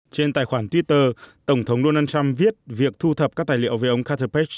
trên tài khoản twitter tổng thống donald trump viết việc thu thập các tài liệu về ông catherpace